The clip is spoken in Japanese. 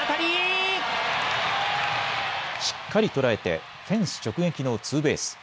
しっかり捉えてフェンス直撃のツーベース。